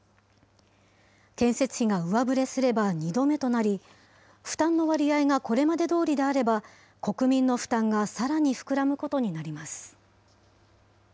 建設費が上振れすれば２度目となり、負担の割合がこれまでどおりであれば、国民の負担がさらに膨らむことになります。